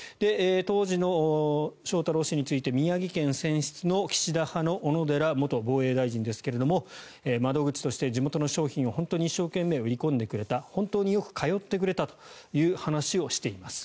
当時の翔太郎氏について宮城県選出の岸田派の小野寺元防衛大臣ですが窓口として地元の商品を本当に一生懸命売り込んでくれた本当によく通ってくれたという話をしています。